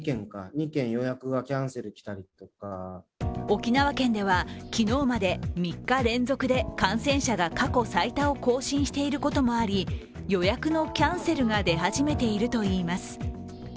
沖縄県では、昨日まで３日連続で感染者が過去最多を更新していることもあり、予約のキャンセルが出始めているといいます。